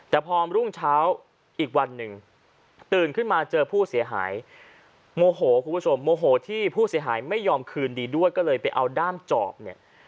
แต่พอรุ่งเช้าอีกวันหนึ่งตื่นขึ้นมาเจอผู้เสียหายโมโหคุณผู้ชมโมโหที่ผู้เสียหายไม่ยอมคืนดีด้วยก็เลยไปเอาด้ามจอบเนี่ย